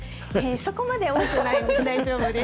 そこまで多くないので、大丈夫です。